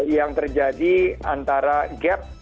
yang terjadi antara gap